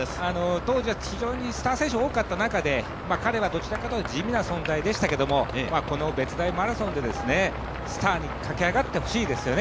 当時は非常にスター選手が多かった中で彼はどちらかというと地味な存在でしたけど、別大マラソンでスターに駆け上がってほしいですよね。